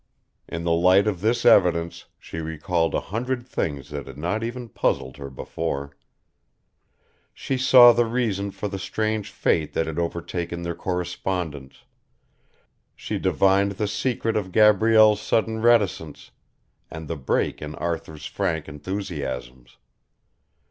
In the light of this evidence she recalled a hundred things that had not even puzzled her before. She saw the reason for the strange fate that had overtaken their correspondence, she divined the secret of Gabrielle's sudden reticence, and the break in Arthur's frank enthusiasms.